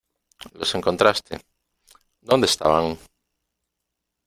Los encontraste .¿ Dónde estaban ?